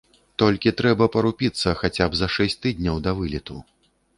Толькі трэба парупіцца хаця б за шэсць тыдняў да вылету.